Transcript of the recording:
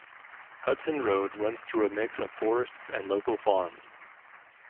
Hudson Road runs through a mix of forests and local farms.